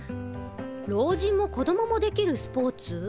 老人も子供もできるスポーツ？